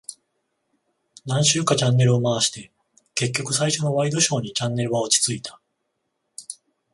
何周かチャンネルを回して、結局最初のワイドショーにチャンネルは落ち着いた。